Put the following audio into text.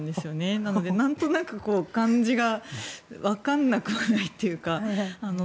なので、何となく感じが分かんなくないというか。